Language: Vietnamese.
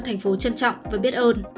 thành phố trân trọng và biết ơn